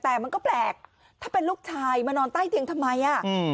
แต่มันก็แปลกถ้าเป็นลูกชายมานอนใต้เตียงทำไมอ่ะอืม